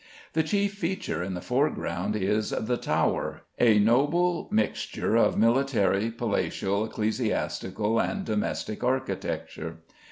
The chief feature in the foreground is "The Tower," a noble mixture of military, palatial, ecclesiastical, and domestic architecture.